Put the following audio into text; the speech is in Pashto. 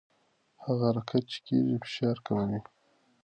هغه حرکت چې کېږي فشار کموي.